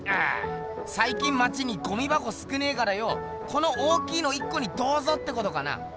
最近まちにゴミばこ少ねえからよこの大きいの１こにどうぞってことかな？